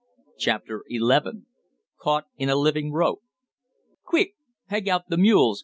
CHAPTER XI CAUGHT IN A LIVING ROPE "Quick! Peg out the mules!"